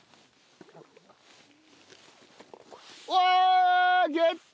うわー！ゲット！